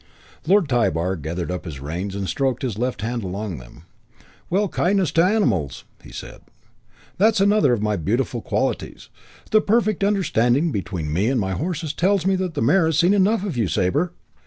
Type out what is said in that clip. Lord Tybar gathered up his reins and stroked his left hand along them. "Well, kindness to animals!" he said. "That's another of my beautiful qualities. The perfect understanding between me and my horses tells me the mare has seen enough of you, Sabre.